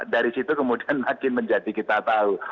dari situ kemudian makin menjadi kita tahu